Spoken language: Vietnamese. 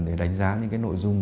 để đánh giá những cái nội dung